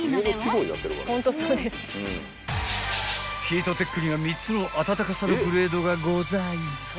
［ヒートテックには３つの暖かさのグレードがござい］